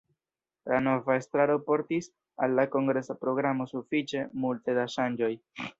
La nova estraro portis al la kongresa programo sufiĉe multe da ŝanĝoj.